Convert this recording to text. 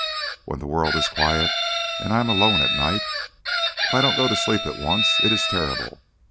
When the world is quiet and I am alone at night, if I don't go to sleep at once it is terrible!